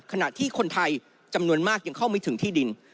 ขณะที่คนไทยจำนวนมากยังเข้าไม่ถึงที่ดิน